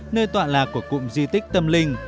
nơi tọa lạc của cụm di tích tâm linh